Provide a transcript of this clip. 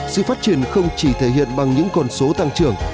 sự phát triển không chỉ thể hiện bằng những con số tăng trưởng